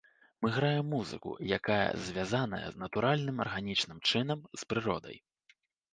Мы граем музыку, якая звязаная натуральным, арганічным чынам з прыродай.